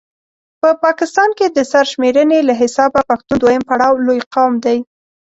په پاکستان کې د سر شميرني له حسابه پښتون دویم پړاو لوي قام دی